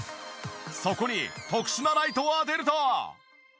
そこに特殊なライトを当てると。